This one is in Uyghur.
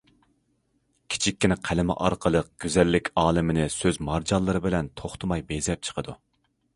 كىچىككىنە قەلىمى ئارقىلىق گۈزەللىك ئالىمىنى سۆز مارجانلىرى بىلەن توختىماي بېزەپ چىقىدۇ.